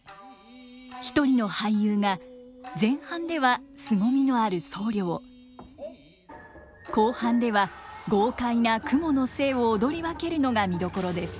一人の俳優が前半では凄みのある僧侶を後半では豪快な蜘蛛の精を踊り分けるのが見どころです。